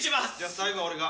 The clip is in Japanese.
最後は俺が。